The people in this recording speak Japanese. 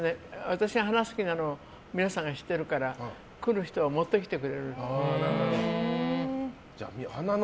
私、花好きなのを皆さんが知ってるから来る人が持ってきてくれるの。